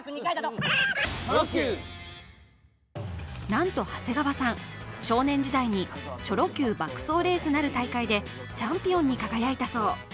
なんと長谷川さん、少年時代にチョロＱ爆走レースなる大会でチャンピオンに輝いたそう。